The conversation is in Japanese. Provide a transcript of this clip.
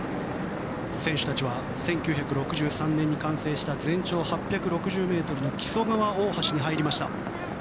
選手たちは１９６３年に完成した全長８６０ｍの木曽川大橋に入りました。